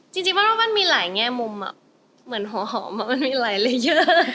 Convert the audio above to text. จริงปั้นว่าปั้นมีหลายแง่มุมอะเหมือนหัวหอมอะมันมีหลายละเยอะ